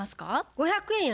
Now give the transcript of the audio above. ５００円？